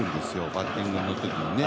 バッティングの時にね。